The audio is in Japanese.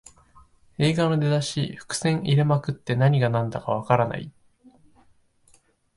映画の出だし、伏線入れまくって何がなんだかわからない